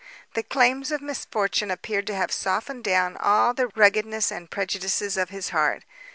The claims of misfortune appeared to have softened down all the ruggedness and prejudices of his heart.